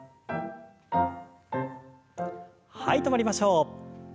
はい止まりましょう。